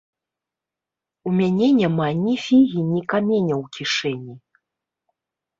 У мяне няма ні фігі ні каменя ў кішэні!